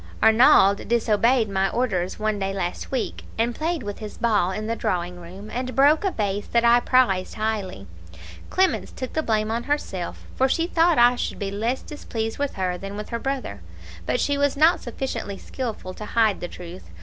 "Arnauld disobeyed my orders one day last week, and played with his ball in the drawing room, and broke a vase that I prized highly. Clemence took the blame on herself, for she thought I should be less displeased with her than with her brother; but she was not sufficiently skilful to hide the truth.